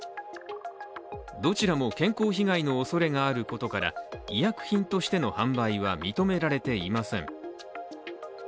どちらも健康被害のおそれがあることから医薬品としての販売は認められていません。